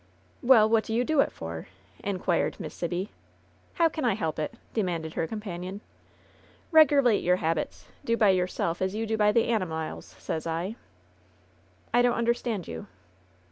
"Well, what do you do it for ?" inquired Miss Sibby. "How can I help it ?" demanded her companion. "Reggerlate your habits. Do by yourself as you do by the animyles, sez 1 1" "I don't understand you.'